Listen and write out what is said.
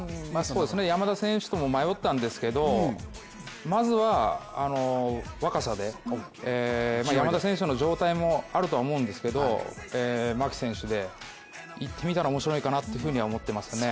山田選手とも迷ったんですけども、まずは、若さで山田選手の状態も見て、牧選手でいってみたらおもしろいかなと思ってますね。